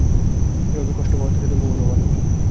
এভাবে কষ্ট পাওয়ার থেকে তো ঘুমানো ভালো।